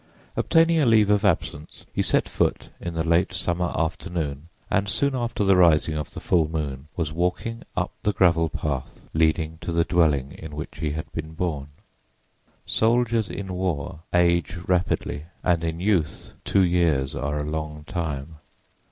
Obtaining a leave of absence, he set foot in the late summer afternoon, and soon after the rising of the full moon was walking up the gravel path leading to the dwelling in which he had been born. Soldiers in war age rapidly, and in youth two years are a long time.